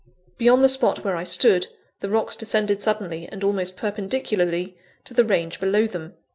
Beyond the spot where I stood, the rocks descended suddenly, and almost perpendicularly, to the range below them.